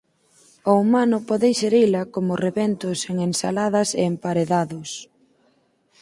O humano pode inxerila como rebentos en ensaladas e emparedados.